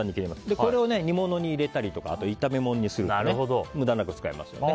これを煮物に入れたりとかあと、炒めものにすると無駄なく使えますよね。